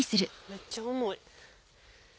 めっちゃ重い。